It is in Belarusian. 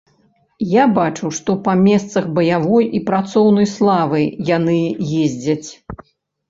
Я бачу, што па месцах баявой і працоўнай славы яны ездзяць.